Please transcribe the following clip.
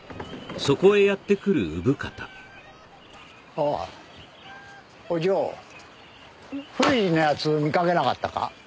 ああお嬢冬二の奴見かけなかったか？